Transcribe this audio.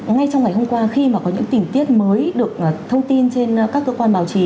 ngay trong ngày hôm qua khi mà có những tình tiết mới được thông tin trên các cơ quan báo chí